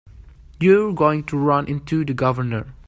You're going to run into the Governor.